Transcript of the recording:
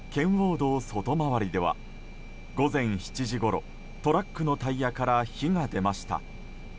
道外回りでは午前７時ごろトラックのタイヤから火が出ました。